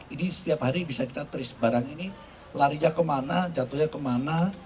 ini setiap hari bisa kita tris barang ini larinya kemana jatuhnya kemana